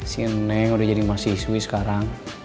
si neng udah jadi mahasiswi sekarang